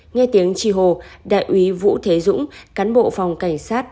nghe tiếng chi hồ đại úy vũ thế dũng cán bộ phòng cảnh sát